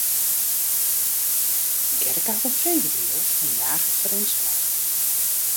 Gerke hat in feebedriuw en jaget foar de ûntspanning.